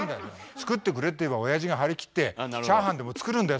「作ってくれ」って言えばおやじが張り切ってチャーハンでも作るんだよ